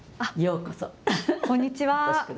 こんにちは。